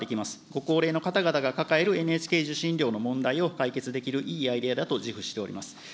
ご高齢の方々が抱える、ＮＨＫ受信料の問題を解決できるいいアイデアだと自負しております。